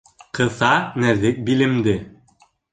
Ҡыҫа нәҙек билемде.